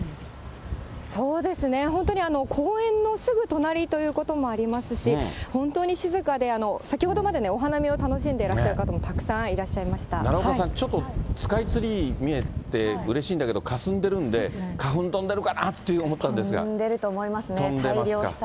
そうですね、本当に公園のすぐ隣ということもありますし、本当に静かで、先ほどまでお花見を楽しんでらっしゃる方、たくさんいらっしゃい奈良岡さん、ちょっとスカイツリー見えてうれしいんだけど、かすんでるんで、花粉飛んでるか飛んでると思いますね。